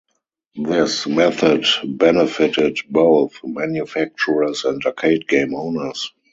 This method benefitted both manufacturers and arcade game owners.